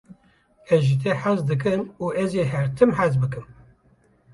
Ez ji te hez dikim û ez ê her tim hez bikim.